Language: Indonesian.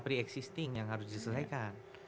pre existing yang harus diselesaikan